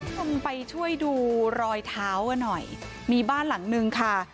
คุณผู้ชมไปช่วยดูรอยเท้ากันหน่อยมีบ้านหลังนึงค่ะ